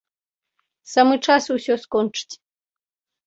Самы час усё скончыць.